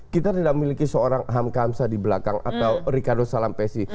kita tidak memiliki seorang ham kamsa di belakang atau ricardo salam pesci